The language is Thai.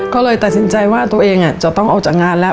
ก็เลยตัดสินใจว่าตัวเองจะต้องออกจากงานแล้ว